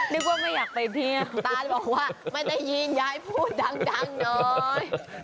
นึกว่าไม่อยากไปเพียงตาบอกว่าไม่ได้ยินยายพูดดังน้อย